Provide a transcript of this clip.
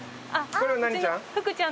これ何ちゃん？